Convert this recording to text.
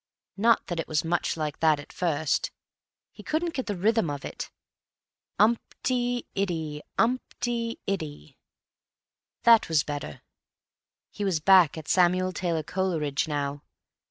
Not that it was much like that at first; he couldn't get the rhythm of it.... Umpt y iddy umpt y iddy. That was better. He was back at Samuel Taylor Coleridge now.